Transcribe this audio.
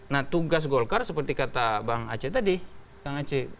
nah tugas golkar seperti kata bang aceh tadi